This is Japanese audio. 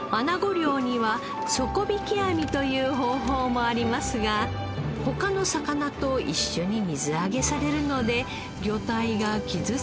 漁には底引き網という方法もありますが他の魚と一緒に水揚げされるので魚体が傷つく恐れがあります。